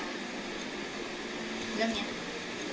เรื่องนี้